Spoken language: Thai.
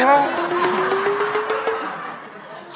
ปึ้งต้ม